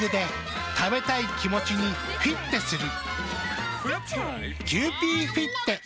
食べたい気持ちにフィッテする。